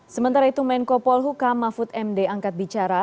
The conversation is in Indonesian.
sementara itu menko polhuka mahfud md angkat bicara